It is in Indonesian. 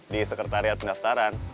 di sekretariat pendaftaran